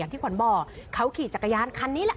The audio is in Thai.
ที่ขวัญบอกเขาขี่จักรยานคันนี้แหละ